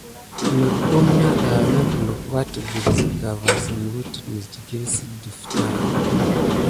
Nudum dana kulu adegue sika va sit wute mis tikile si defeta.